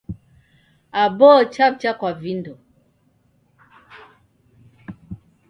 Aboo chaw'ucha kwa vindo.